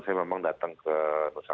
saya memang datang ke nusa